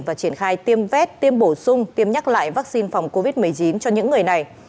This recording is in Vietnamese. và triển khai tiêm vét tiêm bổ sung tiêm nhắc lại vaccine phòng covid một mươi chín cho những người này